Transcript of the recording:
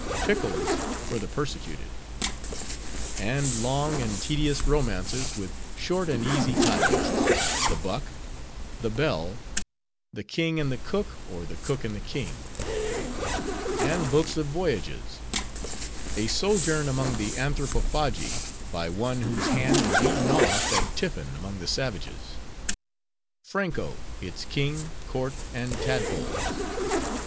"Pickles for the Persecuted." And long and tedious romances with short and easy titles:— "The Buck." "The Belle." "The King and the Cook, or the Cook and the King." And books of voyages:— "A Sojourn among the Anthropophagi, by One whose Hand was eaten off at Tiffin among the Savages." "Franko: its King, Court, and Tadpoles."